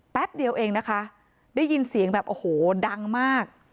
แป๊บเดียวเองนะคะได้ยินเสียงแบบโอ้โหดังมาก